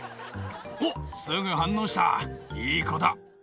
おっすぐ反応したいい子だ。